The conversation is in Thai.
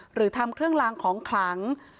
หรือทำเครื่องลางของขลัง